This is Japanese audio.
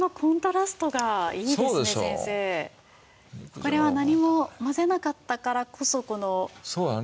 これは何も混ぜなかったからこそこの濃淡が。